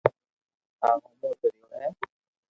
تماري دوست اي ديدو ھي